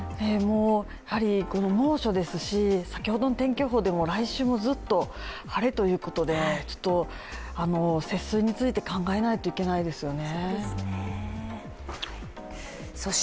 猛暑ですし、先ほどの天気予報でも来週もずっと晴れということでちょっと節水について考えないといけないですよね。